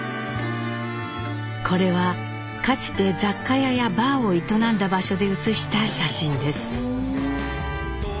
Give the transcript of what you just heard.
これはかつて雑貨屋やバーを営んだ場所で写した写真です。